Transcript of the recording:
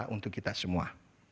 untuk kita semua